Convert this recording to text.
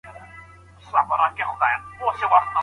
قلمي خط د معلوماتو د تحلیل توان زیاتوي.